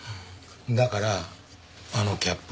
だからあのキャップを託した。